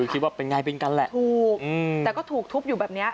คิดว่าเป็นไงเป็นกันแหละถูกแต่ก็ถูกทุบอยู่แบบเนี้ย